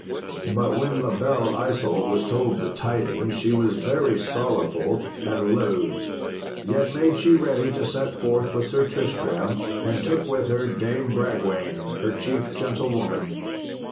But when La Belle Isault was told the tidings she was very sorrowful and loth yet made she ready to set forth with Sir Tristram, and took with her Dame Bragwaine, her chief gentlewoman.